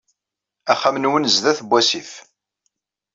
Axxam-nwen sdat n wasif.